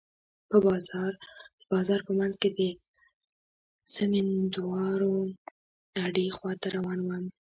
د بازار په منځ کښې د زمينداورو اډې خوا ته روان وم.